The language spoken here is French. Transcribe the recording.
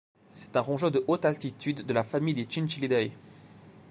C'est un rongeur de haute altitude de la famille des Chinchillidae.